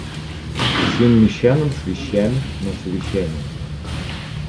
Всем мещанам с вещами на совещание